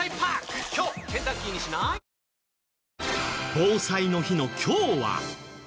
防災の日の今日は。